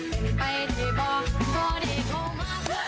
เป็นไปที่บ่พอได้เขามาเผื่อ